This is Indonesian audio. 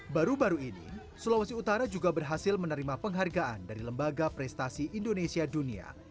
baru baru ini sulawesi utara juga berhasil menerima penghargaan dari lembaga prestasi indonesia dunia